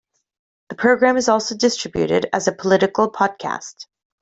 The program is also distributed as a political podcast.